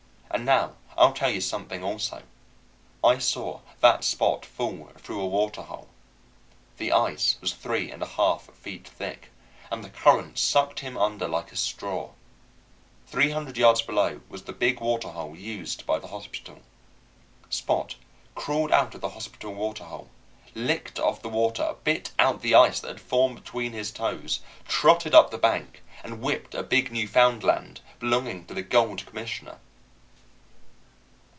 And now I'll tell you something, also. I saw that Spot fall through a water hole. The ice was three and a half feet thick, and the current sucked him under like a straw. Three hundred yards below was the big water hole used by the hospital. Spot crawled out of the hospital water hole, licked off the water, bit out the ice that had formed between his toes, trotted up the bank, and whipped a big Newfoundland belonging to the Gold Commissioner.